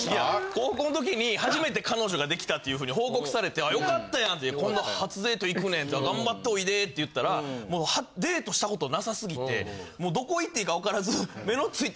高校んときに初めて彼女が出来たっていうふうに報告されて「よかったやん」って「今度初デート行くねん」「頑張っておいで」って言ったらデートしたことなさすぎてもうどこ行っていいか分からず。